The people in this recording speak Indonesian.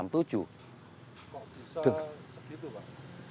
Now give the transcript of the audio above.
kok bisa segitu pak